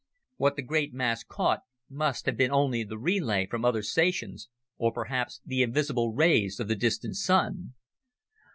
What the great masts caught must have been only the relay from other stations or perhaps the invisible rays of the distant Sun.